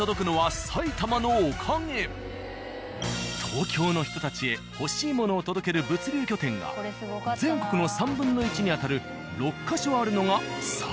東京の人たちへ欲しいものを届ける物流拠点が全国の３分の１に当たる６ヵ所あるのが埼玉。